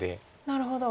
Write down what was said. なるほど。